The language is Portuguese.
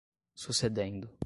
sucedendo